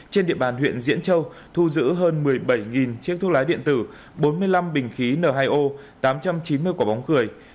trên địa bàn huyện diễn châu thu giữ hơn một mươi bảy chiếc thuốc lá điện tử bốn mươi năm bình khí n hai o tám trăm chín mươi quả bóng cười